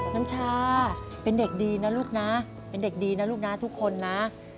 น้ำชาเป็นเด็กดีนะลูกนะเป็นเด็กดีนะลูกนะทุกคนนะ